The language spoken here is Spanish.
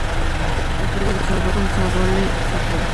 El perdedor fue Consadole Sapporo.